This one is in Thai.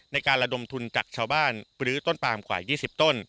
ในการระดมทุนจากชาวบ้านหรือต้นปามกว่า๒๐ต้น